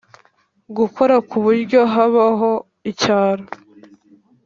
Gukora ku buryo habaho icyaro